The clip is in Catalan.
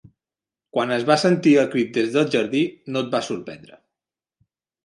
Quan es va sentir el crit des del jardí, no et va sorprendre.